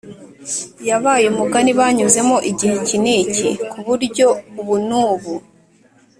yabaye umugani banyuzemo igihe iki n’iki, ku buryo ubu n’ubu